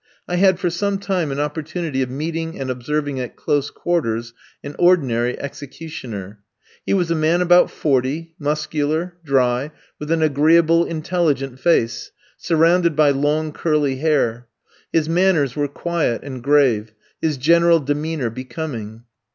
I had for some time an opportunity of meeting and observing at close quarters an ordinary executioner. He was a man about forty, muscular, dry, with an agreeable, intelligent face, surrounded by long curly hair. His manners were quiet and grave, his general demeanour becoming.